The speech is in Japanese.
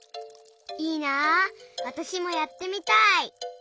いいなあわたしもやってみたい。